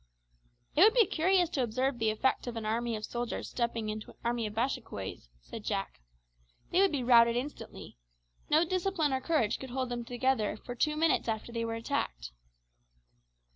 "It would be curious to observe the effect of an army of soldiers stepping into an army of Bashikouays," said Jack. "They would be routed instantly. No discipline or courage could hold them together for two minutes after they were attacked."